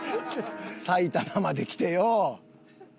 埼玉まで来てよ。